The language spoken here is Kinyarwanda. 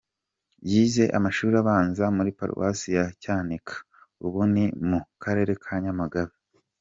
Yize amashuri abanza muri paruwasi ya Cyanika, ubu ni mu Karere ka Nyamagabe.